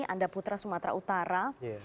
anda putra sumatera utara